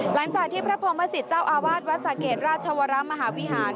หลังจากที่พระพรหมสิตเจ้าอาวาสวัดสะเกดราชวรมหาวิหาร